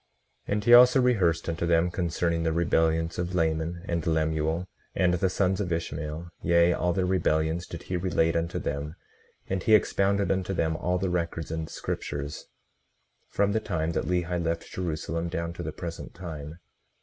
18:38 And he also rehearsed unto them concerning the rebellions of Laman and Lemuel, and the sons of Ishmael, yea, all their rebellions did he relate unto them; and he expounded unto them all the records and scriptures from the time that Lehi left Jerusalem down to the present time.